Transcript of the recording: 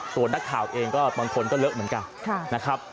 ตัวนักข่าวเองก็บางคนก็เลอะเหมือนกันนะครับ